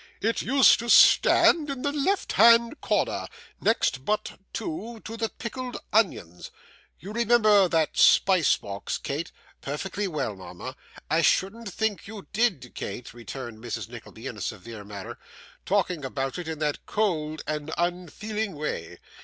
'It used to stand in the left hand corner, next but two to the pickled onions. You remember that spice box, Kate?' 'Perfectly well, mama.' 'I shouldn't think you did, Kate,' returned Mrs. Nickleby, in a severe manner, 'talking about it in that cold and unfeeling way!